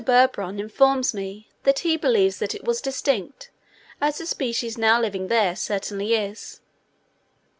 Bibron informs me that he believes that it was distinct, as the species now living there certainly is.